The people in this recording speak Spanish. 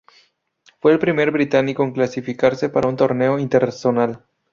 Fue el primer británico en clasificarse para un Torneo interzonal.